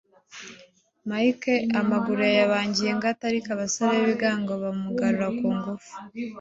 Mike amaguru yayabangiye ingata ariko abasore b'ibigango bamugarura ku ngufu